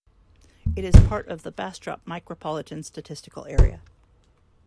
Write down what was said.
It is part of the Bastrop Micropolitan Statistical Area.